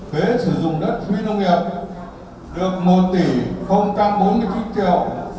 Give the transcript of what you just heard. phế sử dụng đất huy nông nghiệp được một tỷ bốn mươi triệu